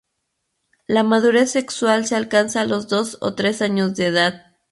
La madurez sexual se alcanza a los dos o tres años de edad.